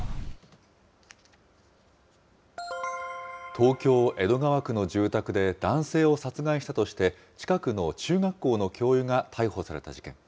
東京・江戸川区の住宅で男性を殺害したとして、近くの中学校の教諭が逮捕された事件。